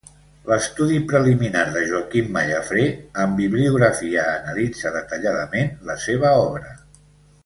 L'estudi preliminar de Joaquim Mallafrè, amb bibliografia, analitza detalladament la seva obra.